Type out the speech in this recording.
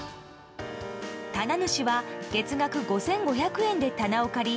棚主は月額５５００円で棚を借り